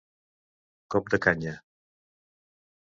Cop de canya.